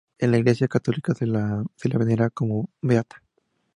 En la Iglesia católica se la venera como beata.